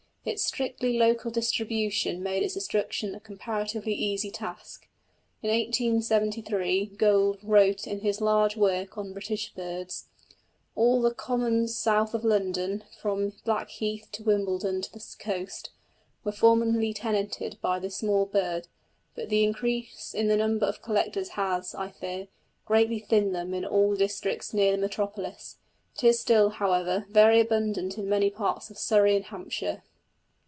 Its strictly local distribution made its destruction a comparatively easy task. In 1873 Gould wrote in his large work on British Birds: "All the commons south of London, from Blackheath and Wimbledon to the coast, were formerly tenanted by this little bird; but the increase in the number of collectors has, I fear, greatly thinned them in all the districts near the metropolis; it is still, however, very abundant in many parts of Surrey and Hampshire."